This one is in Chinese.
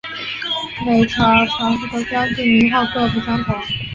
每朝常设的将军名号各不相同。